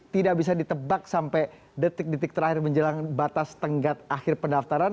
tidak bisa ditebak sampai detik detik terakhir menjelang batas tenggat akhir pendaftaran